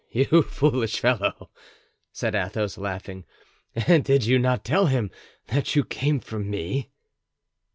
"You foolish fellow!" said Athos, laughing. "And you did not tell him that you came from me?"